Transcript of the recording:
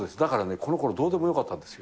このころどうでもよかったんですよ。